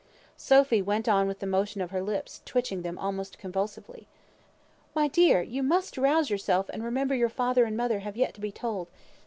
Sophy went on with the motion of her lips, twitching them almost convulsively. "My dear, you must rouse yourself, and remember your father and mother have yet to be told.